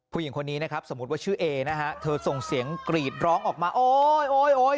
ผู้หญิงคนนี้นะครับสมมุติว่าชื่อเอนะฮะเธอส่งเสียงกรีดร้องออกมาโอ๊ยโอ๊ยโอ๊ย